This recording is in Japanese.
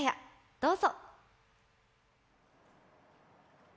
どうぞ。